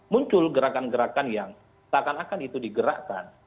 muncul gerakan gerakan yang tak akan akan itu digerakkan